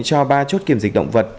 cho ba chốt kiểm dịch động vật